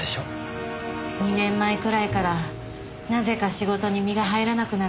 ２年前くらいからなぜか仕事に身が入らなくなって。